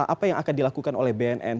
apa yang akan dilakukan oleh bnn